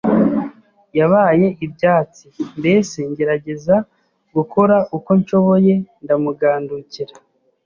yabaye ibyatsi, mbese ngerageza gukora uko nshoboye ndamugandukira